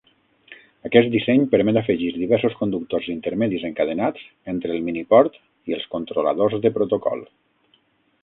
Aquest disseny permet afegir diversos conductors intermedis encadenats entre el miniport i els controladors de protocol.